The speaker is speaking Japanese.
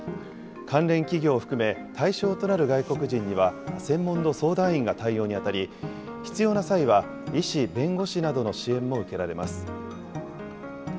関連企業を含め、対象となる外国人には、専門の相談員が対応に当たり、必要な際は、医師・弁護士などの支援も受けられます。